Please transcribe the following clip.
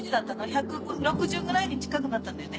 １６０ぐらいに近くなったんだよね